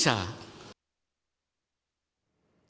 saya ingin jadi anak presiden